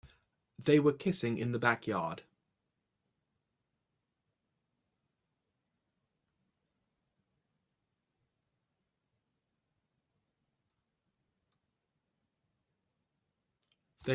They were kissing in the backyard.